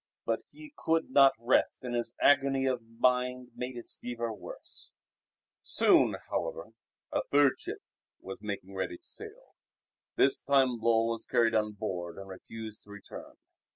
But he could not rest and his agony of mind made his fever worse. Soon, however, a third ship was making ready to sail. This time Lull was carried on board and refused to return.